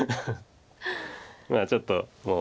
まあちょっともう。